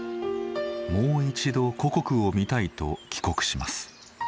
もう一度故国を見たいと帰国します。